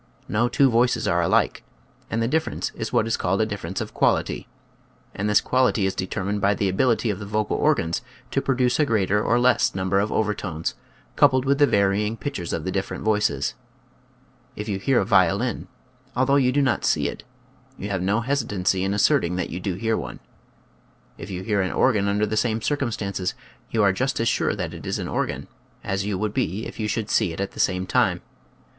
No two voices are alike, and the difference is what is called a difference of quality; and this quality is de termined by the ability of the vocal organs to produce a greater or less number of over (~~|, Original from :{<~ UNIVERSITY OF WISCONSIN 92 nature's Afracle*, tones coupled with the varying pitches of the different voices. If you hear a violin, although you do not see it, you have no hesitancy in asserting that you do hear one. If you hear an organ under the same circumstances you are just as sure that it is an organ as you would be if you should see it at the same time.